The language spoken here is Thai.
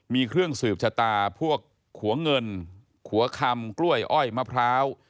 มีเครื่องสืบชะตาพวกขัวเงินขัวคำกล้วยอ้อยมะพร้าว